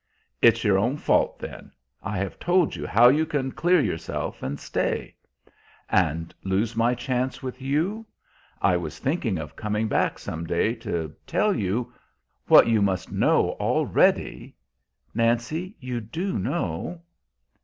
"It's your own fault, then. I have told you how you can clear yourself and stay." "And lose my chance with you! I was thinking of coming back, some day, to tell you what you must know already. Nancy, you do know!"